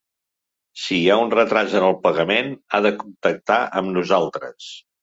Si hi ha un retràs en el pagament ha de contactar amb nosaltres.